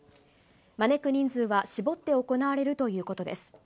招く人数は絞って行われるということです。